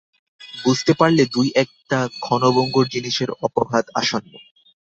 বুঝতে পারলে দুই-একটা ক্ষণভঙ্গুর জিনিসের অপঘাত আসন্ন।